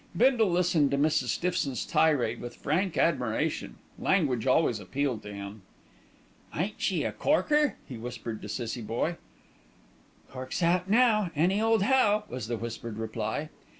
Bindle listened to Mrs. Stiffson's tirade with frank admiration; language always appealed to him. "Ain't she a corker!" he whispered to Cissie Boye. "Cork's out now, any old how," was the whispered reply.